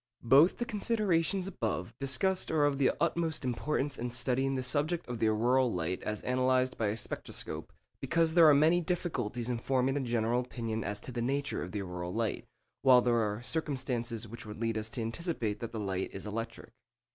Both the considerations above discussed are of the utmost importance in studying the subject of the auroral light as analysed by the spectroscope, because there are many difficulties in forming a general opinion as to the nature of the auroral light, while there are circumstances which would lead us to anticipate that the light is electric.